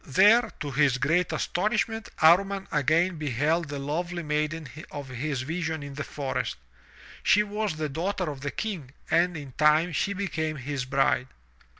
There, to his great astonishment, Amman again beheld the lovely maiden of his vision in the forest. She was the daughter of the King and in time she became his bride.